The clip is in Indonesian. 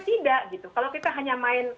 tidak gitu kalau kita hanya main